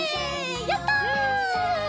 やった！